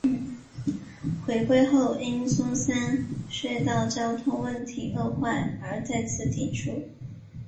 回归后因松山隧道交通问题恶化而再次提出。